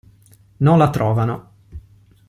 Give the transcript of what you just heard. Non la trovano.